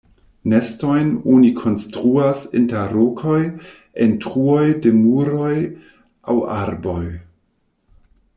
Nestojn oni konstruas inter rokoj, en truoj de muroj aŭ arboj.